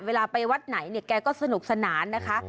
เวลาไปวัดไหนเนี่ยแกก็สนุกสนานนะคะ